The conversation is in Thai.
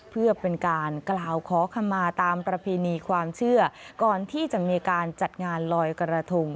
เพื่อเป็นการกล่าวขอขมาตามประเพณีความเชื่อก่อนที่จะมีการจัดงานลอยกระทง